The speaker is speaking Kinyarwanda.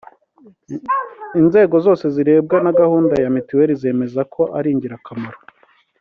Inzego zose zirebwa na gahunda ya Mutuelle zemeza ko ari ingirakamaro